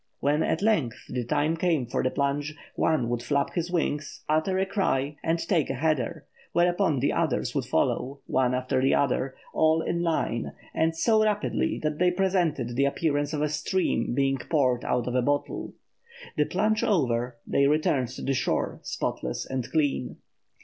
When at length the time came for the plunge, one would flap his wings, utter a cry, and take a header, whereupon the others would follow, one after the other, all in line and so rapidly that they presented the appearance of a stream being poured out of a bottle. The plunge over, they returned to the shore, spotless and clean.